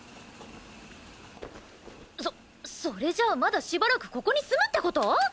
そそれじゃまだしばらくここに住むって事？